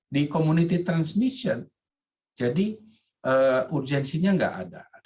di komunitas transmisi jadi urgensinya nggak ada